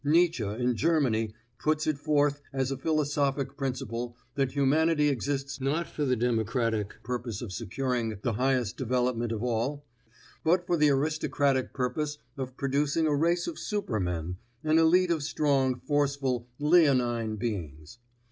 Nietzsche in Germany puts it forth as a philosophic principle that humanity exists not for the democratic purpose of securing the highest development of all, but for the aristocratic purpose of producing a race of supermen, an elite of strong, forceful, "leonine" beings.